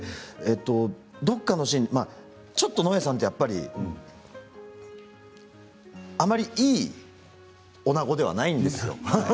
どこかのシーンでちょっとのえさんってやっぱりあまりいいおなごでは、ないんですよ。